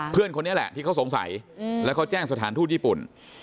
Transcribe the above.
เพื่อนคนนี้แหละที่เขาสงสัยแล้วเขาแจ้งสถานทูตญี่ปุ่น